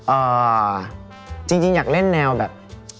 จริงจริงอยากเล่นแนวแบบ